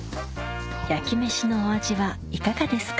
焼きめしのお味はいかがですか？